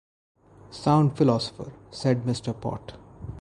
‘Sound philosopher,’ said Mr. Pott.